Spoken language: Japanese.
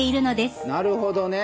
なるほどね。